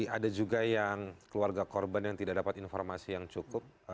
ada juga yang keluarga korban yang tidak dapat informasi yang cukup